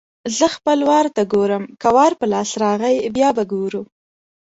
زه خپل وار ته ګورم؛ که وار په لاس راغی - بیا به ګورو.